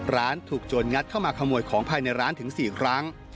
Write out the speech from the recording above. ร้านถูกโจรงัดเข้ามาขโมยของภายในร้านถึง๔ครั้ง